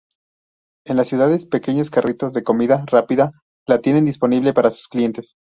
En las ciudades, pequeños carritos de comida rápida la tienen disponible para sus clientes.